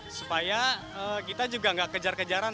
supaya kita juga nggak kejar kejaran